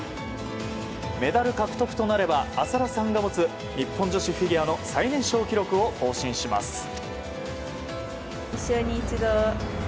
メダル獲得となれば浅田さんが持つ日本女子フィギュアの最年少記録を更新します。